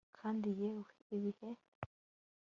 Kandi yewe ibihe